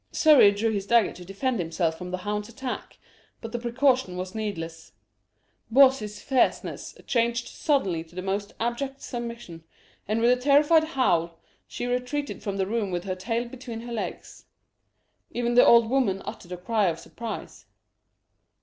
Surrey drew his dagger to defend himself from the hound's attack, but the precaution was needless. Bawsey's fierceness changed suddenly to the most abject submission, and with a terrified howl, she retreated from the room with' her tail between her legs. Even the old woman uttered a cry of surprise.